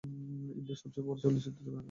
ইন্ডিয়ার সবচেয়ে বড় চলচ্চিত্রের বৃহত্তম সেট।